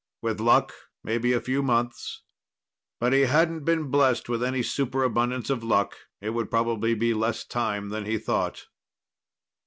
With luck, maybe a few months. But he hadn't been blessed with any superabundance of luck. It would probably be less time than he thought.